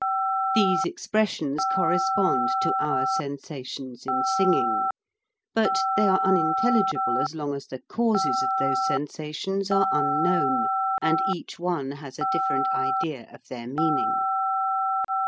These expressions correspond to our sensations in singing ; but they are unintelligible as long as the causes of those sensations are unknown, and each one has a different idea of their mean ing.